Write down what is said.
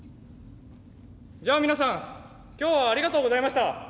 じゃあ皆さん今日はありがとうございました。